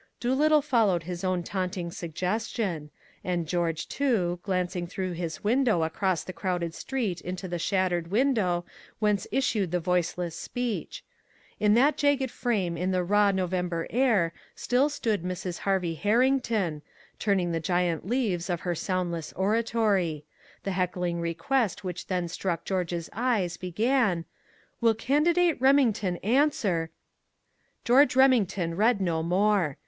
Doolittle followed his own taunting suggestion; and George, too, glanced through his window across the crowded street into the shattered window whence issued the Voiceless Speech. In that jagged frame in the raw November air still stood Mrs. Harvey Herrington, turning the giant leaves of her soundless oratory. The heckling request which then struck George's eyes began: "Will Candidate Remington answer " George Remington read no more.